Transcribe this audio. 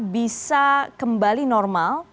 bisa kembali normal